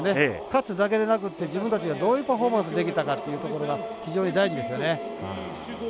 勝つだけでなくって自分たちがどういうパフォーマンスできたかっていうところが非常に大事ですよね。